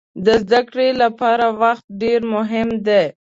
د زده کړې لپاره وخت ډېر مهم دی.